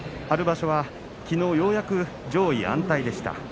春場所はきのうようやく上位安泰でした。